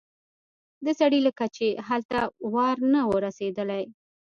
د سړي لکه چې هلته وار نه و رسېدلی.